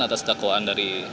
atas dakwaan dari